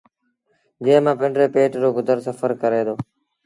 جݩهݩ مآݩ پنڊري پيٽ رو گزر سڦر ڪري دو۔